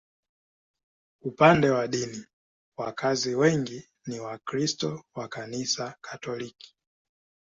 Upande wa dini, wakazi wengi ni Wakristo wa Kanisa Katoliki.